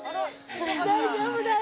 大丈夫だよ